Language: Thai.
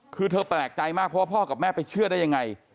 คือเธอแปลกใจมากเพราะว่าพ่อกับแม่ไปเชื่อได้ยังไง